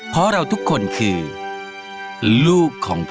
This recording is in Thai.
เพราะเราทุกคนคือลูกของพ่อ